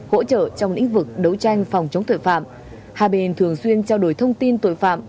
hỗ trợ trong lĩnh vực đấu tranh phòng chống tội phạm hai bên thường xuyên trao đổi thông tin tội phạm